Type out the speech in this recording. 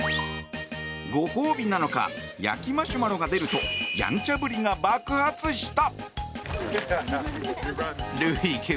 ご褒美なのか焼きマシュマロが出るとやんちゃぶりが爆発した！